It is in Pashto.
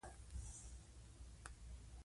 هغه په کور کې د ژوند وروستۍ ورځې تېرې کړې.